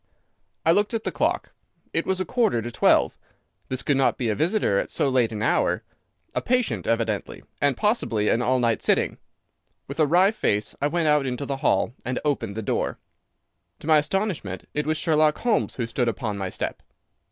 I looked at the clock. It was a quarter to twelve. This could not be a visitor at so late an hour. A patient, evidently, and possibly an all night sitting. With a wry face I went out into the hall and opened the door. To my astonishment it was Sherlock Holmes who stood upon my step.